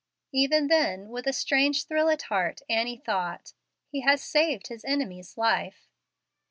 Even then, with a strange thrill at heart, Annie thought, "He has saved his enemy's life."